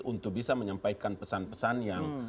untuk bisa menyampaikan pesan pesan yang